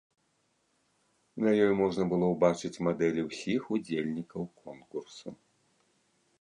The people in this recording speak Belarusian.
На ёй можна было ўбачыць мадэлі ўсіх удзельнікаў конкурсу.